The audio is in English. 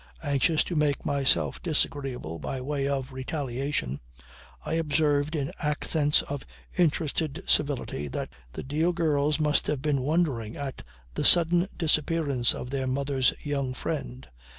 Anxious to make myself disagreeable by way of retaliation I observed in accents of interested civility that the dear girls must have been wondering at the sudden disappearance of their mother's young friend.